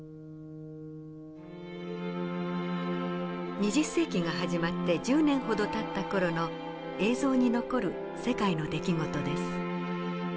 ２０世紀が始まって１０年ほどたった頃の映像に残る世界の出来事です。